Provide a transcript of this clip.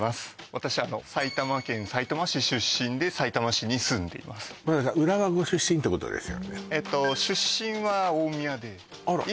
私埼玉県さいたま市出身でさいたま市に住んでいます出身は大宮であら！